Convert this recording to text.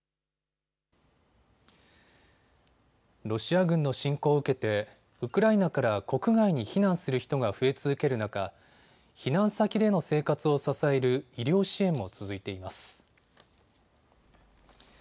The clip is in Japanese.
ロシア軍の侵攻を受けてウクライナから国外に避難する人が増え続ける中、避難先での生活を支える医療支援も続いています。